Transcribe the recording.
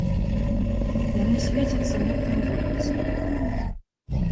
Яны свецяцца мутным водблескам.